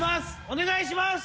お願いします。